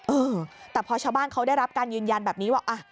เออแต่พอชาวบ้านเขาได้รับการยืนยันแบบนี้ว่า